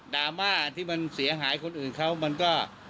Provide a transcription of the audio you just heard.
ราม่าที่มันเสียหายคนอื่นเขามันก็